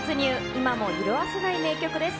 今も色あせない名曲です。